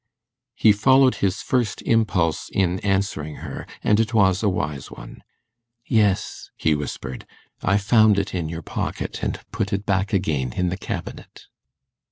He followed his first impulse in answering her, and it was a wise one. 'Yes,' he whispered, 'I found it in your pocket, and put it back again in the cabinet.